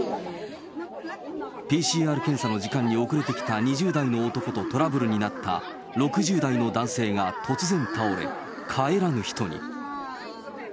ＰＣＲ検査の時間に遅れてきた２０代の男とトラブルになった６０代の男性が突然倒れ、帰らぬ人に。